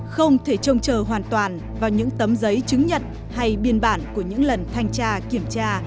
không thể trông chờ hoàn toàn vào những tấm giấy chứng nhận hay biên bản của những lần thanh tra kiểm tra